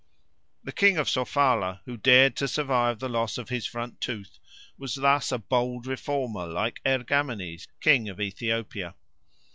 The king of Sofala who dared to survive the loss of his front tooth was thus a bold reformer like Ergamenes, king of Ethiopia.